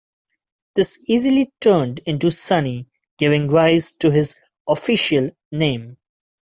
This easily turned into Sonny, giving rise to his "official" name.